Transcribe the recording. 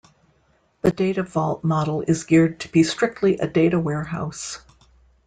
The data vault model is geared to be strictly a data warehouse.